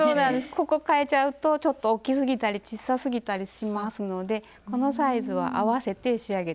ここ変えちゃうとちょっと大きすぎたり小さすぎたりしますのでこのサイズは合わせて仕上げて下さい。